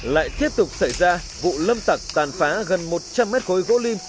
lại tiếp tục xảy ra vụ lâm tặc tàn phá gần một trăm linh m gối gỗ lim